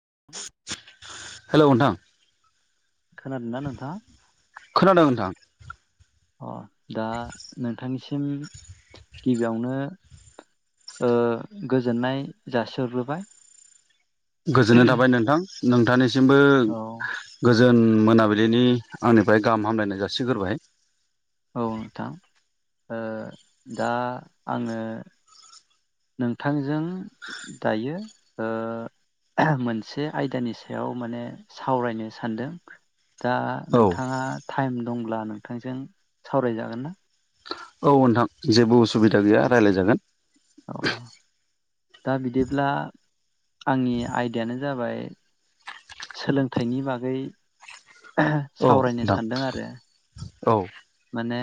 [unintelligible] हेल' नोंथां। खोनादों ना नोंथाङा? खोनादों नोंथां अ दा नोंथांनिसिम गिबियावनो ओ गोजोननाय जासिहरग्रोबाय। गोजोननाय थाबाय नोंथां नोंथांनिसिमबो औ [unintelligible] [unintelligible] मोनाबिलिनि आंनिफ्राय गाहाम हामलायनाय जासिग्रोबाय। औ नोंथां दा ओ दा आङो नोंथांजों दायो ओ मोनसे आयदानि सायाव माने सावरायनो सानदों। दा औ नोंथाङा टाइम दंब्ला नोंथांजों सावरायजागोन ना? औ नोंथां जेबो उसुबिदा गैया रायज्लाय जागोन। औ दा बिदिब्ला आंनि आयदायानो जाबाय सोलोंथाइनि बागै औ सावरायनो नोंथां सानदों आरो। औ। माने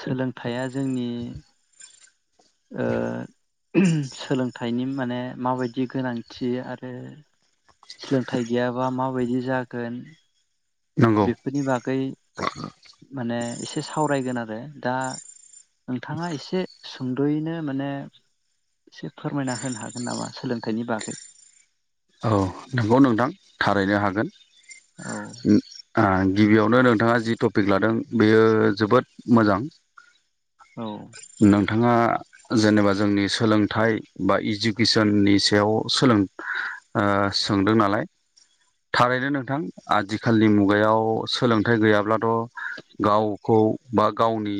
सोलोंथाइया जोंनि ओ सोलोंथाइ थाइनि माने माबायदि गोनांथि आरो सोलोंथाइ गैयाबा मा बायदि जागोन नंगौ बेफोरनि बागै माने एसे सावरायगोन आरो दा नोंथाङा एसे सुंद'यैनो माने एसे फोरमायना होनो हागोन नामा सोलोंथाइनि बागै? औ नंगौ नोंथां थारैनो हागोन। औ। आ गिबियावनो नोंथाङा जि टपिक लादों बेयो जोबोद मोजां। औ। नोंथाङा जेनेबा जोंनि सोलोंथाइ बा इडुकेसननि सायाव सोलों ओ सोंदों नालाय थारैनो नोंथां आथिखालनि मुगायाव सोलोंथाइ गैयाब्लाथ' गावखौ बा गावनि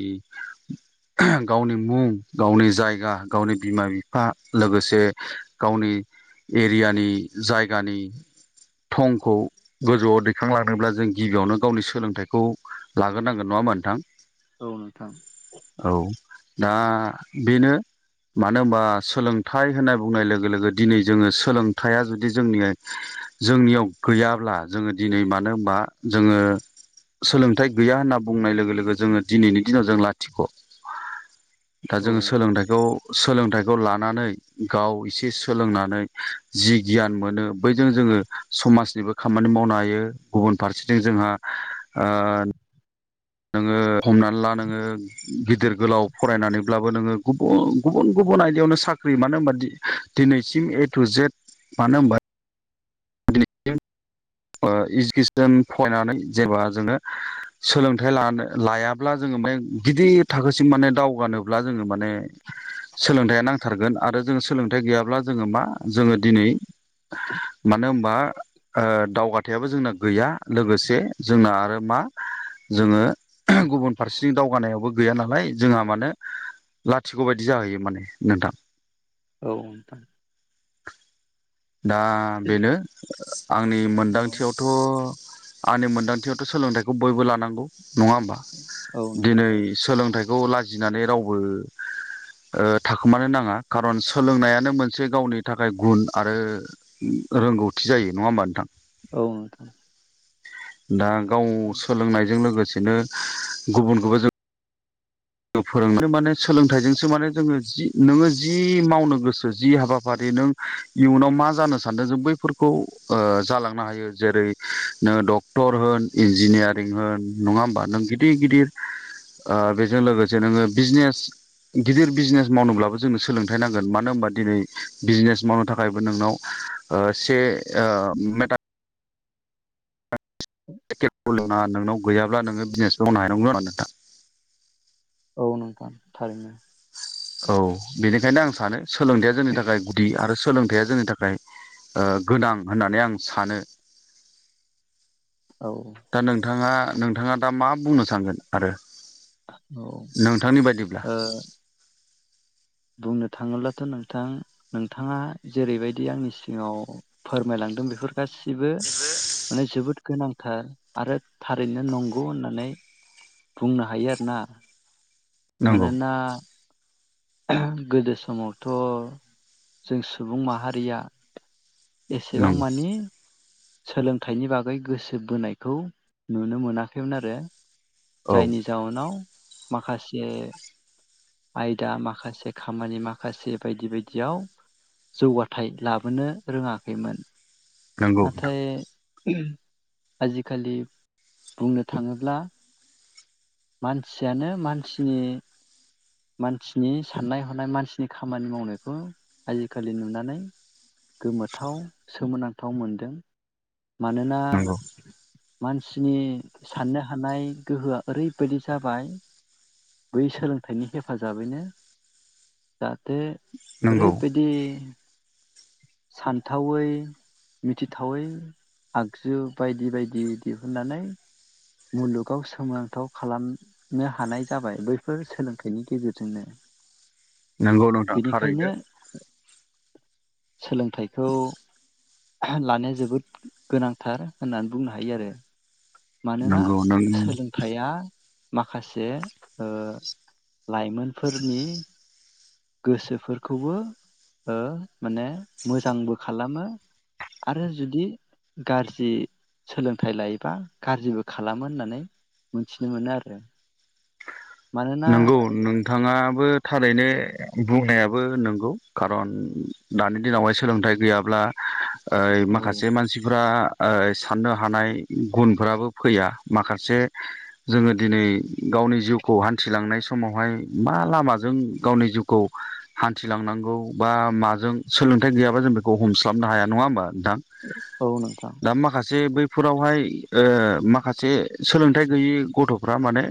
गावनि मुं गावनि जायगा गावनि बिमा बिफा लोगोसे गावनि एरियानि जायगानि थंखौ गोजौआव दैखांलांनोब्ला जों गिबियावनो गावनि सोलोंथाइखौ लाग्रोनांगोन नङा मोन नोंथां? औ नोंथां। औ दा बेनो मानो होनबा सोलोंथाइ होनना बुंनाय लोगो लोगो दिनै जोङो सोलोंथाइया जुदि जोंनि जोंनियाव गैयाब्ला जोङो दिनै मानो होनबा जोङो सोलोंथाइ गैया होनना बुंनाय लोगो लोगो जोङो दिनैनि दिनाव जों लाथिख'। दा औ जोङो सोलोंथाइखौ सोलोंथाइखौ लानानै गाव एसे सोलोंनानै जि गियान मोनो बैजों जोङो समाजनिबो खामानि मावनो हायो गुबुन फारसेथिं जोंहा ओ नोङो हमनानै ला नोङो गिदिर गोलाव फरायनानैब्लाबो नोङो गुबुन गुबुन गुबुन आयदायावनो साख्रि मानो होनबा दि दिनैसिम ए टु जेद मानो होनबा आदि [unintelligible] इजुकेसन फरायनानै जेबा जोङो सोलोंथाइ लानो लायाब्ला जोङो माने गिदिर थाखोसिम माने दावगानोब्ला जोङो माने सोलोंथाइया नांथारगोन आरो जोङो सोलोंथाइ गैयाब्ला जोङो मा जोङो दिनै मानो होमबा ओ दावगाथायाबो जोंना गैया लोगोसे जोंना आरो मा जोङो गुबुन फारसेथि दावगानायावबो गैया नालाय जोंहा मानो लाथिख बायदि जाहैयो माने नोंथां। औ नोंथां। दा बेनो आंनि औ मोनदांथियावथ' आंनि मोनदांथियावथ सोलोंथाइखौ बयबो लानांगौ। नङा होमबा औ नोंथां दिनै सोलोंथाइ खौ लाजिनानै रावबो ओ थाखोमानो नाङा खारन सोलोंनायानो मोनसे गावनि थाखाय गुन। आरो रोंगौथि जायो नङा होमबा नोंथां? औ नोंथां। दा गाव सोलोंनायजों लोगोसे सेनो गुबुनखौबो जों फोरोंनो माने सोलोंथाइजोंसो माने जोङो जि नोङो जि मावनो गोसो जि हाबाफारि नों इयुनाव मा जानो सानदों जों बैफोरखौ जालांनो हायो जेरै नोङो डक्टर होन इन्जिनियारिं होन नङा होमबा नों गिदिर गिदिर ओ बे जों लोगोसे नोङो बिजनेस गिदिर बिजनेस मावनोब्लाबो जोंनो सोलोंथाइ नांगोन मानो होनबा दिनै बिजनेस मावनो थाखायबो नोंनाव ओ से ओ मेटा [unintelligible] नोंनाव गैयाब्ला नोङो बिजनेसखौ मावनो हाया नांगौ [unintelligible] नोंथां औ नोंथां थारैनो औ बेनिखायनो आं सानो सोलोंथाया जोंनि थाखाय गुदि आरो सो सोलोंथाइया जोंनि थाखाय ओ गोनां होननानै आं सानो औ दा नोंथाङा नोंथाङा दा मा बुंनो सानगोन आरो औ ओ नोंथांनि बायदिब्ला बुंनो थाङोब्लाथ नोंथां नोंथाङा जेरैबायदि आंनि सिगाङाव फोरमायलांदों बेफोर गासिबो माने जोबोद गोनांथार आरो थारैनो नंगौ होननानै बुंनो हायो आरोना नंगौ मानोना गोदो समावथ' जों सुबुं माहारिया एसेबां नंगौ मानि सोलोंथाइनि बागै गोसो बोनायखौ नुनो मोनाखैमोन आरो औ जायनि जाउनाव माखासे आयदा माखासे खामानि माखासे बायदि बायदियाव जौगाथाय लाबोनो रोङाखैमोन नंगौ नाथाय आजिखालि बुंनो थाङोब्ला मानसियानो मानसिनि मानसिनि साननाय हनाय मानसिनि खामानि मावनायखौ आजिखालि नुनानै गोमोथाव सोमोनांथाव मोनदों। मानोना नंगौ मानसिनि साननो हानाय गोहोआ ओरैबायदि जाबाय बै सोलोंथाइनि हेफाजाबैनो जाहाथे नंगौ ओरैबायदि सानथावै मिथिथावै आगजु बायदि बायदि दिहुननानै मुलुगाव सोमोनांथाव खालामनो हानाय जाबाय बैफोर सोलोंथाइनि गेजेरजोंनो नंगौ नोंथां थारैनो बेनिखायनो सोलोंथाइखौ लानाया जोबोद गोनांथार होननानै बुंनो हायो आरो। मानोना नंगौ नों सोलोंथाइया माखासे ओ लाइमोनफोरनि गोसोफोरखौबो माने मोजांबो खालामो आरो जुदि गाज्रि सोलोंथाइ लायोबा गाज्रिबो खालामो होननानै मिथिनो मोनो आरो मानोना नंगौ नोंथाङाबो थारैनो बुंनायाबो नंगौ खारन दानि दिनावहाय सोलोंथाइ गैयाब्ला ओ औ माखासे मानसिफोरा ओ साननो हानाय गुनफ्राबो फैया माखासे जोङो दिनै गावनि जिउखौ हान हान्थिलांनाय समावहाय मा लामाजों गावनि जिउखौ हान्थिलांनांगौ बा माजों सोलोंथाइ गैयाबा जों बेखौ हमस्लाबनो हाया नङा होमबा नोंथां औ नोंथां दा माखासे बै बे फोरावहाय ओ माखासे सोलोंथाइ गैयै गथ'फ्रा माने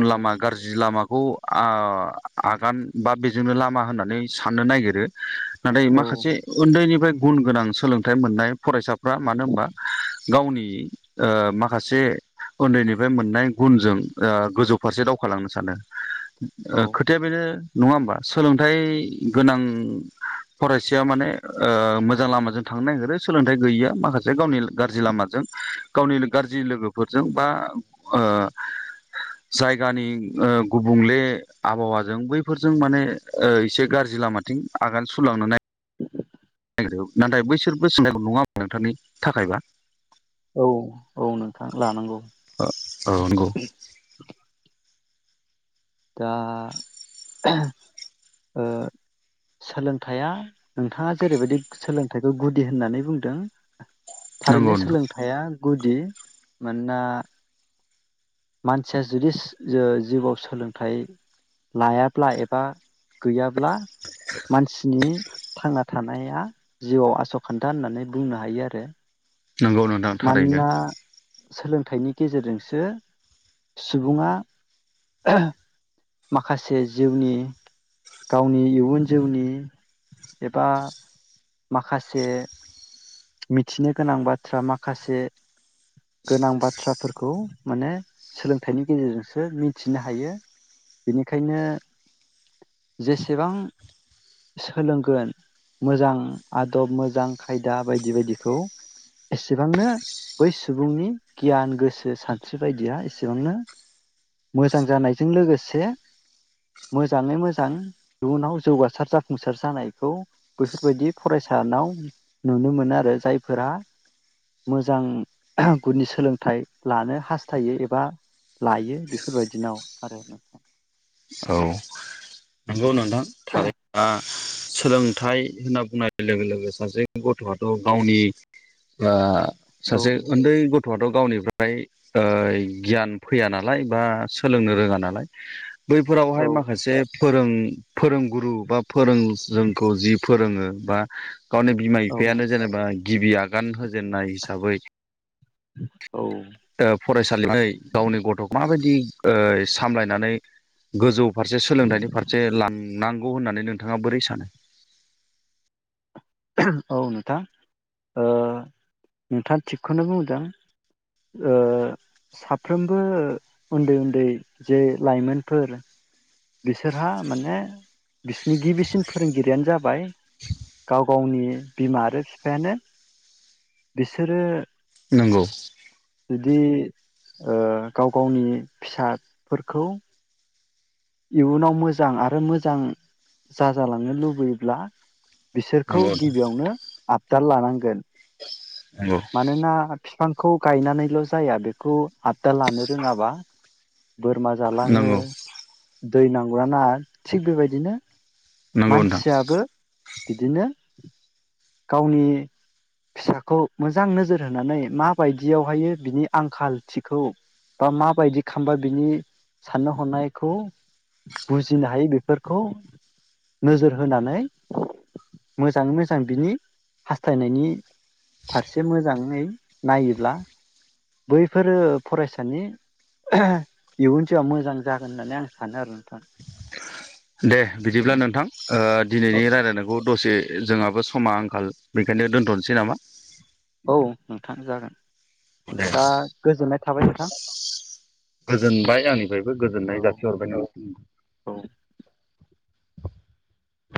औ लामा गाज्रि लामा खौ आगान बा बेजोंनो लामा होननानै साननो नागिरो नाथाय औ माखासे उन्दैनिफ्राय गुन गोनां सोलोंथाइ मोननाय फरायसा फोरा मानो होनबा गावनि ओ माखासे उन्दैनिफ्राय मोननाय गुनजों ओ गोजौ फारसे दावखोलांनो सानो। औ खोथाया बेनो नङा होमबा सोलोंथाइ गोनां फरायसाया माने ओ मोजां लामाजों थांनो नागिरो सोलोंथाइ गैयिया माखासे गावनि गाज्रि लामाजों गावनि लो गाज्रि लोगोफोरजों बा ओ जायगानि ओ गुबुंले आबहावाजों बैफोरजों माने ओ एसे गाज्रि लामाथिं आगान सुरलांनानै नागिरो नाथाय बैसोरबो [unintelligible] नङा होमबा नोंथांनि थाखायबा औ औ नोंथां लानांगौ औ नंगौ दा ओ सोलोंथाइ आ नोंथाङा जेरैबायदि सोलोंथाइखौ गुदि होननानै बुंदों नंगौ थारैनो नोंथां सोलोंथाया गुदि मानोना मानसिया जुदि जिउआव सोलोंथाइ लायाब्ला एबा गैया ब्ला मानसिनि थांना थानाया जिउआव आस' खान्दा होननानै बुंनो हायो आरो नंगौ नोंथां थारैनो मानोना सोलोंथाइनि गेजेरजोंसो सुबुङा माखासे जिउनि गावनि इयुन जिउनि एबा माखासे मिथिनो गोनां बाथ्रा माखासे गोनां बाथ्राफोरखौ माने सोलोंथाइनि गेजेरजोंसो मिथिनो हायो बेनिखायनो जेसेबां सोलोंगोन मोजां आदब मोजां खायदा बायदि बायदिखौ एसेबांनो बै सुबुंनि गियान गोसो सानस्रि बायदिया एसेबांनो मोजां जानायजों लोगोसे मोजाङै मोजां इयुनाव जौगासार जाफुंसार जानायखौ बैफोरबायदि फरायसानाव नुनो मोनो आरो जायफोरा मोजां गुनि सोलोंथाइ लानो हास्थायो एबा लायो बेफोरबायदिनाव आरो नोंथां औ नंगौ नों थां थारै [unintelligible] सोलोंथाय होनना बुंनाय लोगो लोगो सासे गथ'आथ' गावनि आ औ सासे उन्दै ग थ'आथ' गावनिफ्राय ओ गियान फैया नालाय बा सोलोंनो रोङा नालाय औ बैफोरावहाय माखासे फोरों फोरोंगुरु बा फोरों जोंखौ जि फोरोङो बा गावनि बिमा औ बिफायानो जेनेबा गिबि आगान होजेननाय हिसाबै औ ओ फरायसालि [unintelligible] गावनि गथ'खौ माबायदि ओ सामलायनानै गोजौ फारसे सोलोंथाइनि फारसे लांनां गौ होननानै नोंथाङा बोरै सानो? औ नोंथां ओ नोंथाङा थिगखौनो बुंदों ओ साफ्रोमबो उन्दै उन्दै जे लाइमोनफोर बिसोरहा माने बिसिनि गिबिसिन फोरोंगिरियानो जाबाय गाव गावनि बिमा आरो बिफायानो बिसोरो नोंगौ जुदि ओ गाव गावनि फिसाफोरखौ इयुनाव मोजां आरो मोजां जाजालांनो लुबैयोब्ला बिसोरखौ नंगौ गिबियावनो आबदाल लानांगोन। नंगौ मानोना बिफांखौ गायनानैल' जाया बेखौ आददा लानो रोङाबा बोरमा जालाङो नंगौ दै नांगौना नाङा थिग बेबायदिनो नंगौ नोंथां मानसियाबो बिदिनो गावनि फिसाखौ मोजां नोजोर होनानै माबायदियावहायो बिनि आंखालथिखौ बा माबायदि खालामबा बिनि साननो हनायखौ बुजिनो हायो, बेफोरखौ नोजोर होनानै मोजाङै मोजां बिनि हास्थायनायनि फारसे मोजाङै नायोब्ला बैफोरो फरायसानि इयुन जिउआ मोजां जागोन होननानै आं सानो आरो नोंथां। दे बिदिब्ला नोंथां ओ दिनैनि रायलायनायखौ दसे जोंहाबो समा आंखाल बेखायनो दोन्थ'नोसै नामा? औ नोंथां जागोन। दे दा गोजोननाय थाबाय नोंथां गोजोनबाय आंनिफ्रायबो गोजोननाय औ जासिहरबाय नोंथांनो। औ।